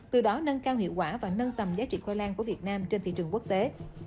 từ đó nâng cao hiệu quả và nâng tầm giá trị khoai lang của việt nam trên thị trường quốc tế